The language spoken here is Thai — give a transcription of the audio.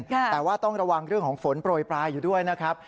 แต่ว่าต้องระวังเรื่องของฝนโปรยปลายอยู่ด้วยนะครับ